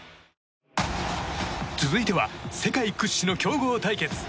続いては世界屈指の強豪対決。